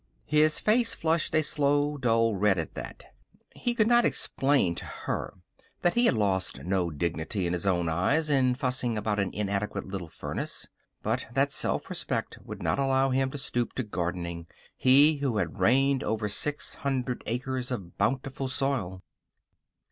His face flushed a slow, dull red at that. He could not explain to her that he lost no dignity in his own eyes in fussing about an inadequate little furnace, but that self respect would not allow him to stoop to gardening he who had reigned over six hundred acres of bountiful soil.